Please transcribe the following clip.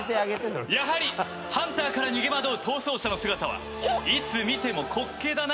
やはりハンターから逃げ惑う逃走者の姿はいつ見ても滑稽だな！